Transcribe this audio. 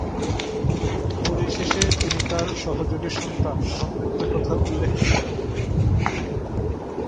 পরিশেষে তিনি তার সহযোগী সন্তান এবং মৃত্যুর কথা উল্লেখ করেন।